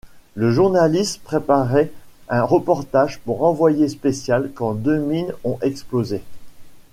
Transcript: Le journaliste préparait un reportage pour Envoyé spécial quand deux mines ont explosé.